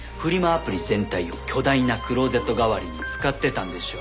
アプリ全体を巨大なクローゼット代わりに使ってたんでしょう。